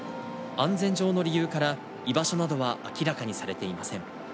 安全上の理由から、居場所などは明らかにされていません。